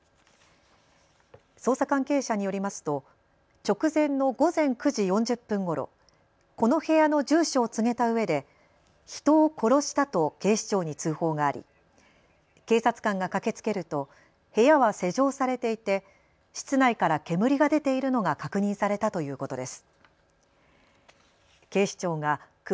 捜査関係者によりますと直前の午前９時４０分ごろこの部屋の住所を告げたうえで人を殺したと警視庁に通報があり警察官が駆けつけると部屋は施錠されていて室内から煙が出ているのが確認されたということです。